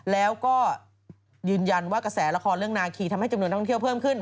แล้วก็ยืนยันว่ากระแสละครเรื่องนาคีทำให้จำนวนท่องเที่ยวเพิ่มขึ้น